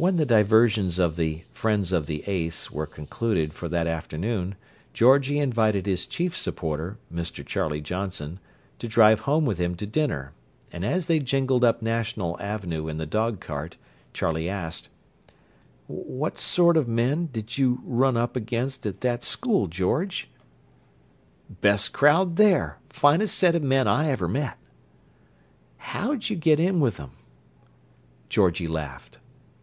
When the diversions of the Friends of the Ace were concluded for that afternoon, Georgie invited his chief supporter, Mr. Charlie Johnson, to drive home with him to dinner, and as they jingled up National Avenue in the dog cart, Charlie asked: "What sort of men did you run up against at that school, George?" "Best crowd there: finest set of men I ever met." "How'd you get in with 'em?" Georgie laughed.